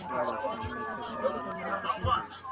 پرون کاږه وو نن کاږه یو سبا نه سمیږو !.